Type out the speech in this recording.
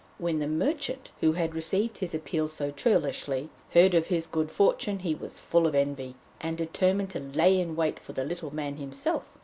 When the merchant who had received his appeal so churlishly heard of his good fortune, he was full of envy, and determined to lay in wait for the little men himself.